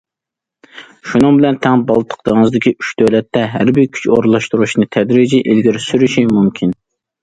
شۇنىڭ بىلەن تەڭ بالتىق دېڭىزىدىكى ئۈچ دۆلەتتە ھەربىي كۈچ ئورۇنلاشتۇرۇشنى تەدرىجىي ئىلگىرى سۈرۈشى مۇمكىن.